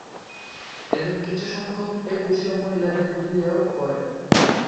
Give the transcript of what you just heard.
এদের কিছুসংখ্যক এদেশীয় মহিলাদের বিয়েও করে।